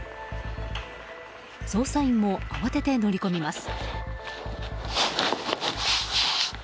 捜査員も慌てて乗り込みます。